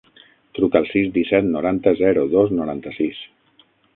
Truca al sis, disset, noranta, zero, dos, noranta-sis.